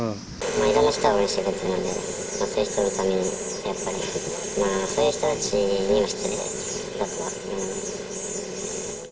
いろんな人が応援してくれてるので、そういう人のためにも、やっぱり、そういう人たちには失礼だとは思います。